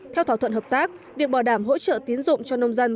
theo thỏa thuận hợp tác việc bảo đảm hỗ trợ tiến dụng cho nông dân